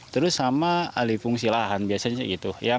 terus sama alih fungsi lahan biasanya gitu